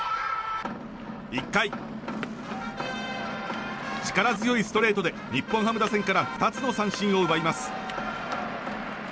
１回、力強いストレートで日本ハム打線から２つの三振を奪います。